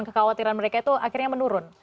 kekhawatiran mereka itu akhirnya menurun